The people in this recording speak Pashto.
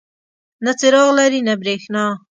نه څراغ لري نه بریښنا.